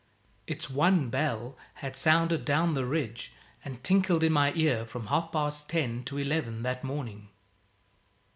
Its one bell had sounded down the ridge and tinkled in my ear from half past ten to eleven that morning.